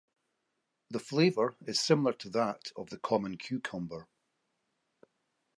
The flavor is similar to that of the common cucumber.